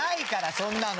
そんなの。